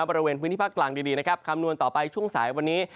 บริเวณพื้นที่ภาคกลางดีนะครับคำนวณต่อไปช่วงสายวันนี้